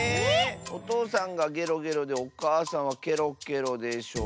おとうさんがゲロゲロでおかあさんはケロケロでしょ。